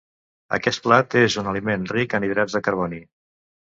Aquest plat és un aliment ric en hidrats de carboni.